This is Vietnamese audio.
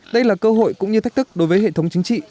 đây là cơ hội cũng như thách thức đối với hệ thống chính trị